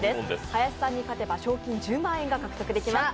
林さんに勝てば賞金１０万円が獲得できます。